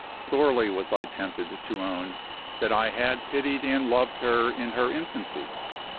Sorely was I tempted to own that I had pitied and loved her in her infancy.